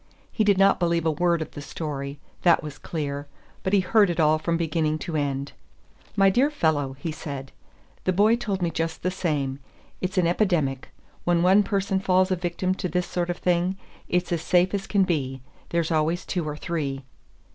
He did not believe a word of the story, that was clear; but he heard it all from beginning to end. "My dear fellow," he said, "the boy told me just the same. It's an epidemic. When one person falls a victim to this sort of thing, it's as safe as can be, there's always two or three."